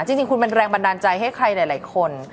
จริงคุณเป็นแรงบันดาลใจให้ใครหลายคน